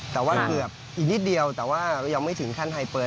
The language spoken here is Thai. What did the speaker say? แต่ว่าเกือบอีกนิดเดียวแต่ว่ายังไม่ถึงขั้นไฮเปอร์